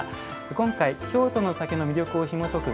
今回京都の酒の魅力をひもとく